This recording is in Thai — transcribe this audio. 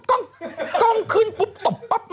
กล้องขึ้นปุ๊บตบป๊บเนี่ย